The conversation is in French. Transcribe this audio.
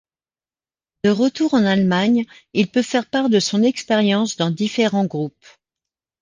De retour en Allemagne, il peut faire part de son expérience dans différents groupes.